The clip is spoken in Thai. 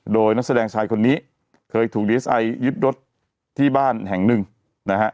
โดยนักแสดงชายคนนี้เคยถูกดีเอสไอยึดรถที่บ้านแห่งหนึ่งนะฮะ